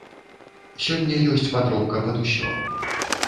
Сёння ёсць падробка пад усё.